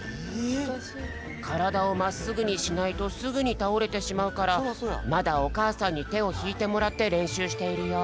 からだをまっすぐにしないとすぐにたおれてしまうからまだおかあさんにてをひいてもらってれんしゅうしているよ。